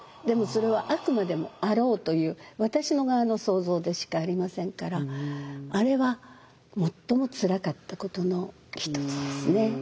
でもそれはあくまでも「あろう」という私の側の想像でしかありませんからあれは最もつらかったことの一つですね。